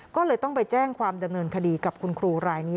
ก็เลยต้องไปแจ้งความดำเนินคดีกับคุณครูรายนี้